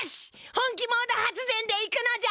本気モード発電でいくのじゃ！